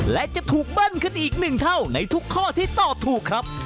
และจะถูกเบิ้ลขึ้นอีกหนึ่งเท่าในทุกข้อที่ตอบถูกครับ